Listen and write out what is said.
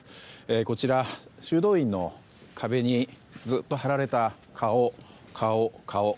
こちら、修道院の壁にずっと貼られた顔、顔、顔。